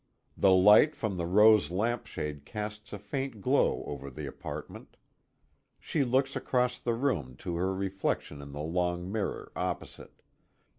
The light from the rose lamp shade casts a faint glow over the apartment. She looks across the room to her reflection in the long mirror opposite.